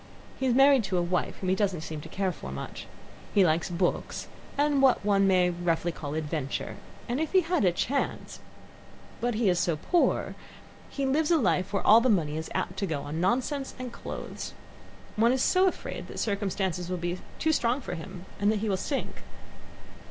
He is married to a wife whom he doesn't seem to care for much. He likes books, and what one may roughly call adventure, and if he had a chance But he is so poor. He lives a life where all the money is apt to go on nonsense and clothes. One is so afraid that circumstances will be too strong for him and that he will sink.